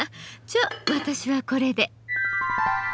じゃ私はこれで。